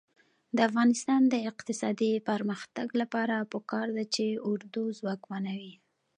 د افغانستان د اقتصادي پرمختګ لپاره پکار ده چې اردو ځواکمنه وي.